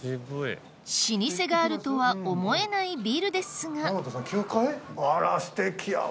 老舗があるとは思えないビルですがあらすてきやわ。